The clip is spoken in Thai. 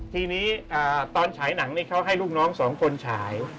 ทีนี้ตอนฉายหนังนี่เขาให้ลูกน้องสองคนฉาย